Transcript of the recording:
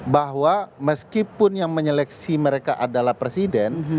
bahwa meskipun yang menyeleksi mereka adalah presiden